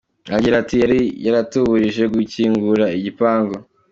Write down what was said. Agira ati “Yari yaratubujije gukingura igipangu.